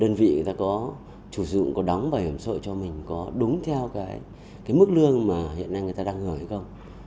đơn vị người ta có chủ dụng có đóng bảo hiểm xã hội cho mình có đúng theo cái mức lương mà hiện nay người ta đang hưởng hay không